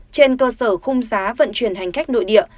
trên cơ sở khung giá vận chuyển hành khách nội địa